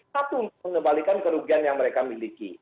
satu untuk mengembalikan kerugian yang mereka miliki